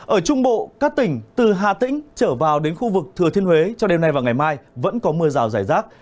ở trung bộ các tỉnh từ hà tĩnh trở vào đến khu vực thừa thiên huế cho đêm nay và ngày mai vẫn có mưa rào rải rác